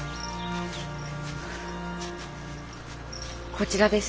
こちらです。